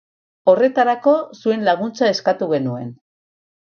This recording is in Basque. Horretarako, zuen laguntza eskatu genuen.